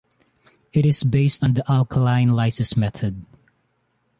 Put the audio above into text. It is based on the alkaline lysis method.